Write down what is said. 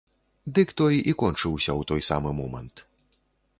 Дык той і кончыўся ў той самы момант.